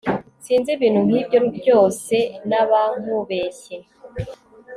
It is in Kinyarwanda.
Sinzi ibintu nkibyo ryose nabankubeshye